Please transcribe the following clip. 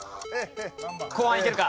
後半いけるか？